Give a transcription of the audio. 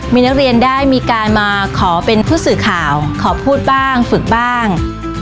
มีนักเรียนได้มีการมาขอเป็นผู้สื่อข่าวขอพูดบ้างฝึกบ้าง